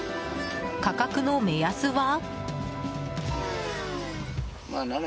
価格の目安は。